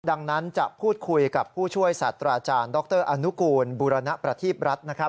ดังนั้นจะพูดคุยกับผู้ช่วยสัตว์อาจารย์ดรอนุกูลบุรณประธีบรัฐ